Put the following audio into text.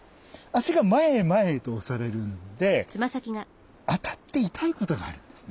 足が前へ前へと押されるので当たって痛いことがあるんですね。